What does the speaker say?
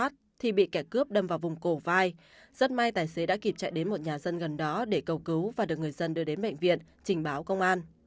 thì bị kẻ cướp đâm vào vùng cổ vai rất may tài xế đã kịp chạy đến một nhà dân gần đó để cầu cứu và được người dân đưa đến bệnh viện trình báo công an